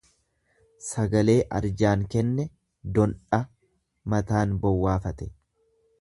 Sagalee arjaan kenne dondha mataan bowwaafate.